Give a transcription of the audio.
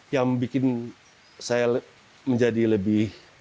yang bikin saya menjadi lebih